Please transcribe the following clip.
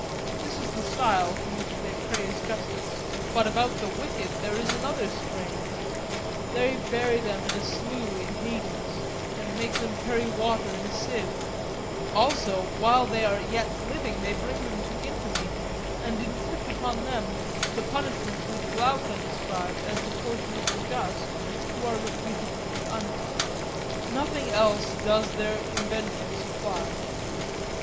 This is the style in which they praise justice. But about the wicked there is another strain; they bury them in a slough in Hades, and make them carry water in a sieve; also while they are yet living they bring them to infamy, and inflict upon them the punishments which Glaucon described as the portion of the just who are reputed to be unjust; nothing else does their invention supply.